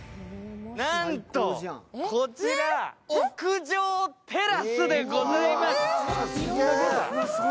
なんとこちら、屋上テラスでございます。